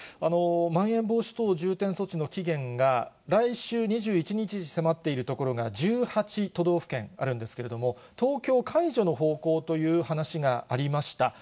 まん延防止等重点措置の期限が、来週２１日に迫っている所が１８都道府県あるんですけれども、東京、解除の方向という話がありました。